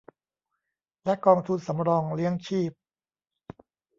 และกองทุนสำรองเลี้ยงชีพ